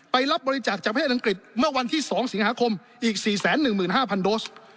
รับบริจาคจากประเทศอังกฤษเมื่อวันที่๒สิงหาคมอีก๔๑๕๐๐โดส